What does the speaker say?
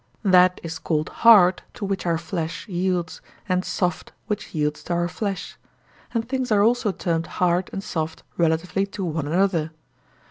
That is called hard to which our flesh yields, and soft which yields to our flesh; and things are also termed hard and soft relatively to one another.